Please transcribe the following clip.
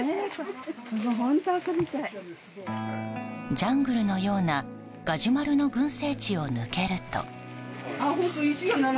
ジャングルのようなガジュマルの群生地を抜けると。